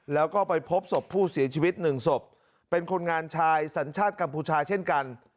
แล้วก็ไปพบศพผู้เสียชีวิตหนึ่งศพเป็นคนงานชายสัญชาติกัมพูชาเช่นกัน